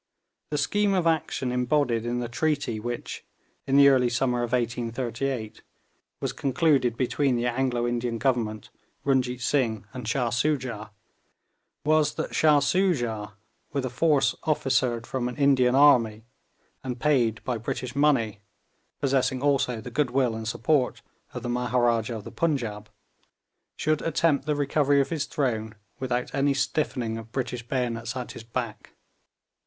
The scheme of action embodied in the treaty which, in the early summer of 1838, was concluded between the Anglo Indian Government, Runjeet Singh, and Shah Soojah, was that Shah Soojah, with a force officered from an Indian army, and paid by British money, possessing also the goodwill and support of the Maharaja of the Punjaub, should attempt the recovery of his throne without any stiffening of British bayonets at his back.